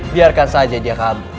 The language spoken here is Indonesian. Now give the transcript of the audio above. biarkan saja dia kabur